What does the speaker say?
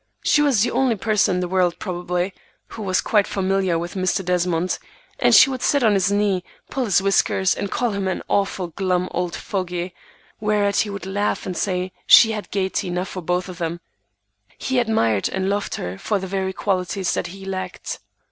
She was the only person in the world, probably, who was quite familiar with Mr. Desmond, and she would sit on his knee, pull his whiskers, and call him an "awful glum old fogy," whereat he would laugh and say she had gayety enough for them both. He admired and loved her for the very qualities that he lacked.